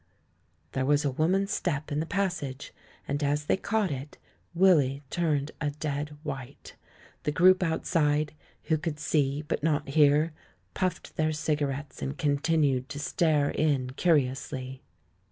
There was a woman's step in the passage, and as they caught it, Willy turned a dead white. The group outside, who could see but not hear, puffed their cigarettes and continued to stare in curiously.